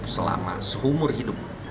selama seumur hidup